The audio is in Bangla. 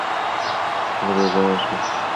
ভুলে যাও এসব।